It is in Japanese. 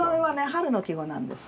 春の季語なんです。